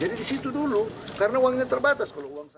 jadi di situ dulu karena uangnya terbatas